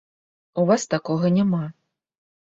У вас такога няма.